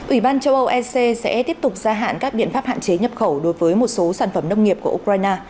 ủy ban châu âu ec sẽ tiếp tục gia hạn các biện pháp hạn chế nhập khẩu đối với một số sản phẩm nông nghiệp của ukraine